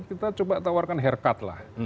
kita coba tawarkan haircut lah